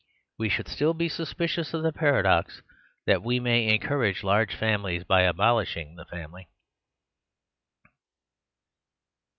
We should still be sus picious of the paradox that we may encour age large families by abolishing the family.